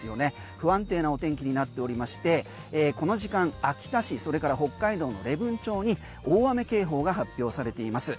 不安定なお天気になっておりましてこの時間秋田市それから北海道の礼文町に大雨警報が発表されています。